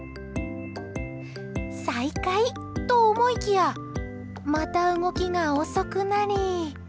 再開と思いきやまた動きが遅くなり。